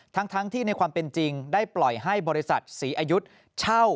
ทั้งที่ในความเป็นจริงได้ปล่อยให้บริษัทศรีอายุทเช่า